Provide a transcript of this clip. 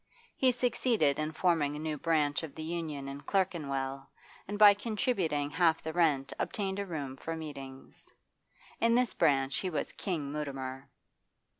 He succeeded in forming a new branch of the Union in Clerkenwell, and by contributing half the rent obtained a room for meetings. In this branch he was King Mutimer.